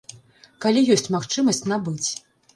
Калі ёсць магчымасць набыць.